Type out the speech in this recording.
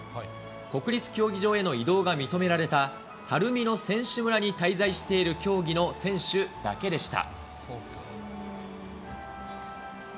国立競技場への移動が認められた、晴海の選手村に滞在している競技の選手だけでした。